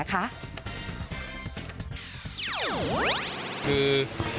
คือ